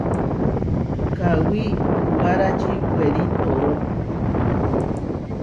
Kawí kuwárači werí tooró.